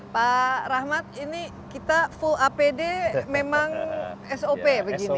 pak rahmat ini kita full apd memang sop begini